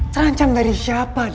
terancam dari siapa dewi